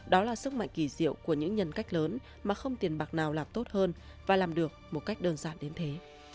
đó là sức mạnh kỳ diệu của những nhân cách lớn mà không tiền bạc nào làm tốt hơn và làm được một cách đơn giản đến thế